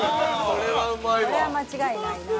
これは間違いないな。